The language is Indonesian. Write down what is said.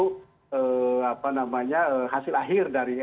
hasil akhir dari